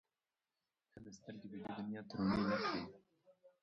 ښه دی سترګي دي دنیا ته روڼي نه کړې